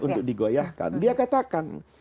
untuk digoyahkan dia katakan